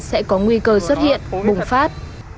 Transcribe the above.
sẽ có nguy cơ xuất hiện bùng phát